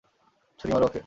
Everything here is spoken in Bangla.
ছুরি মারো ওকে!